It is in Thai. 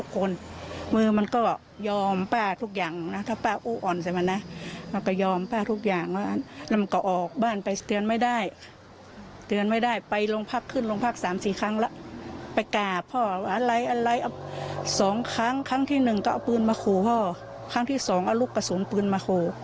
ครั้งที่๒เอาลูกกระสุนปืนมาคู่ขึ้นลงภักษ์กันหลายครั้งแล้ว